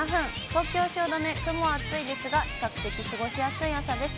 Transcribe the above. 東京・汐留、雲は厚いですが、比較的過ごしやすい朝です。